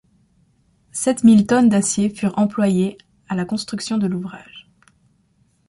Sept mille tonnes d'acier furent employées à la construction de l'ouvrage.